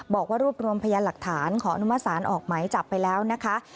บอกว่ารวบรวมพยานหลักฐานขออนุมัติศาลออกไหมจับไปแล้วนะคะ